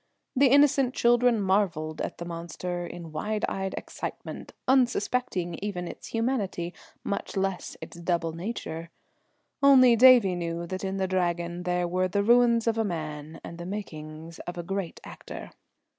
The innocent children marvelled at the monster, in wide eyed excitement, unsuspecting even its humanity, much less its double nature; only Davie knew that in that Dragon there were the ruins of a man and the makings of a great actor!